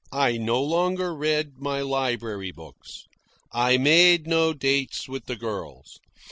I no longer read my library books. I made no dates with the girls.